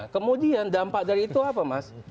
kemudian dampak dari itu apa mas